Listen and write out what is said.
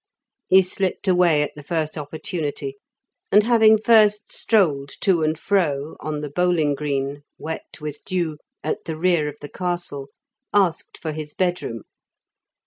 He slipped away at the first opportunity, and having first strolled to and fro on the bowling green, wet with dew, at the rear of the castle, asked for his bedroom.